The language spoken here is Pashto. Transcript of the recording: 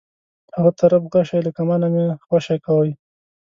هغه طرف غشی له کمانه مه خوشی کوئ.